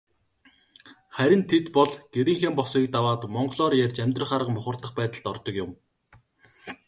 Харин тэд бол гэрийнхээ босгыг даваад монголоор ярьж амьдрах арга мухардах байдалд ордог юм.